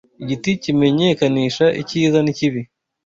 igiti kimenyekanisha icyiza n’ikibi